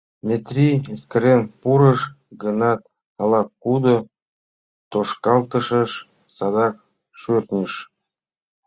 Метрий эскерен пурыш гынат, ала-кудо тошкалтышеш садак шӱртньыш.